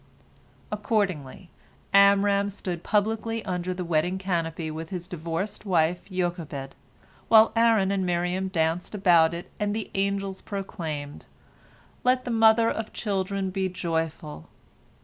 " Accordingly, Amram stood publicly under the wedding canopy with his divorced wife Jochebed, while Aaron and Miriam danced about it, and the angels proclaimed, "Let the mother of children be joyful!"